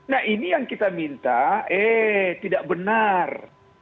nah ini yang kita minta eh tidak benar